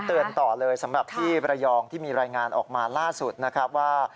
เตือนต่อเลยสำหรับที่ระยองที่มีรายงานออกมาล่าสุดนะครับว่า